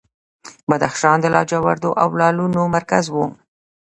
بدخشان د لاجوردو او لعلونو مرکز و